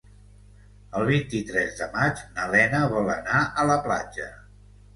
El vint-i-tres de maig na Lena vol anar a la platja.